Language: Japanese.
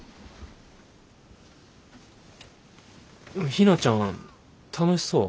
陽菜ちゃん楽しそう？